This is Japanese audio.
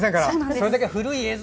それだけ古い映像